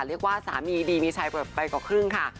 เรียกว่าสามีดีมีชายเปิดไปกว่าครึ่งค่ะ